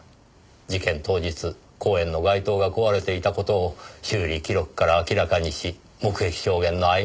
事件当日公園の街灯が壊れていた事を修理記録から明らかにし目撃証言の曖昧さを指摘。